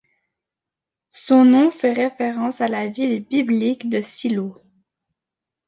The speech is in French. Son nom fait référence à la ville biblique de Siloh.